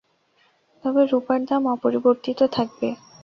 তবে রুপার দাম অপরিবর্তিত থাকবে।